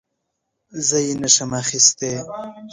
زه یې نه شم اخیستی .